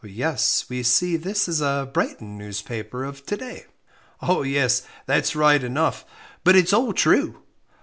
"Yes; we see this is a Brighton newspaper of to day." "Oh, yes, that's right enough but it's all true."